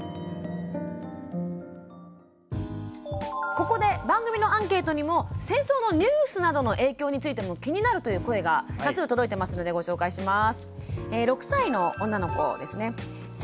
ここで番組のアンケートにも戦争のニュースなどの影響についても気になるという声が多数届いてますのでご紹介します。